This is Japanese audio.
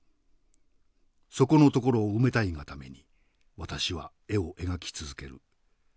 そこのところを埋めたいがために私は絵を描き続ける。